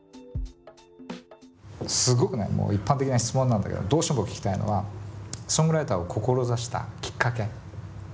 すごくね一般的な質問なんだけどどうしても聞きたいのはソングライターを志したきっかけ何だったのか。